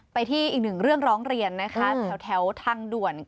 ไปที่อีกหนึ่งเรื่องร้องเรียนนะคะแถวทางด่วน